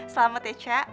selamat ya cak